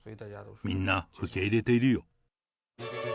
みんな受け入れているよ。